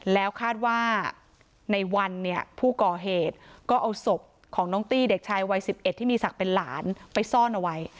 แล้วคาดว่าในวันเนี่ยผู้ก่อเหตุก็เอาศพของน้องตี้เด็กชายวัย๑๑ที่มีศักดิ์เป็นหลานไปซ่อนเอาไว้